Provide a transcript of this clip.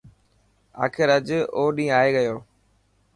آخر اڄ او ڏينهن آي گيو.